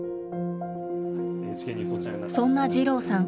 そんな二郎さん